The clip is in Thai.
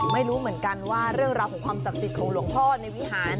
ไม่รู้เหมือนกันว่าเรื่องราวของความศักดิ์สิทธิ์ของหลวงพ่อในวิหาร